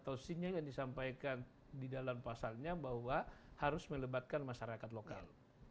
atau sinyal yang disampaikan di dalam pasalnya bahwa harus melebatkan masyarakat lokal